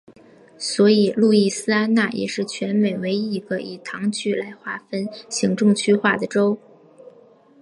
所以路易斯安那也是全美唯一一个以堂区来划分行政区划的州。